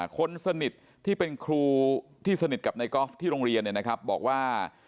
คนสนิทที่เป็นครูที่สนิทกับนายกอล์ฟที่โรงเรียนบอกว่า